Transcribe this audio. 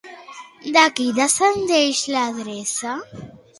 De qui descendeix la deessa?